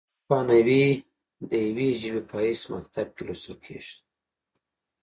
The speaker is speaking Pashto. هسپانیوي د یوې ژبې په حیث مکتب کې لوستل کیږي،